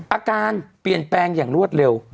อาการเปลี่ยนแปลงอย่างรวดเร็ว